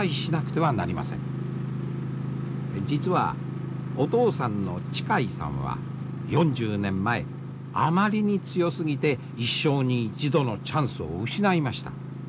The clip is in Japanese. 実はお父さんの智海さんは４０年前あまりに強すぎて一生に一度のチャンスを失いました。